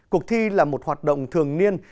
cuộc thi là một hoạt động thường niên